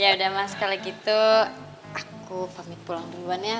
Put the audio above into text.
yaudah mas kalau gitu aku pamit pulang duluan ya